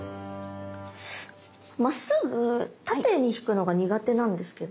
まっすぐ縦に引くのが苦手なんですけど。